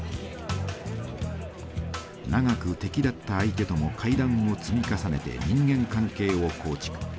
長く敵だった相手とも会談を積み重ねて人間関係を構築。